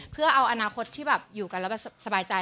เพื่อเอาอนาคตที่แบบอยู่กันแล้วแบบสบายใจ